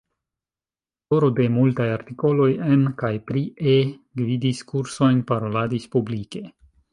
Aŭtoro de multaj artikoloj en kaj pri E, gvidis kursojn, paroladis publike.